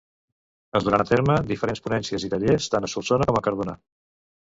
Es duran a terme diferents ponències i tallers tant a Solsona com a Cardona.